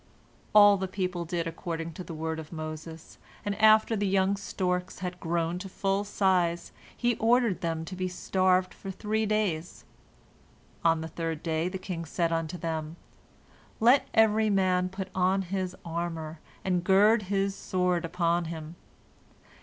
All the people did according to the word of Moses, and after the young storks had grown to full size, he ordered them to be starved for three days. On the third day the king said unto them, "Let every man put on his armor and gird his sword upon him.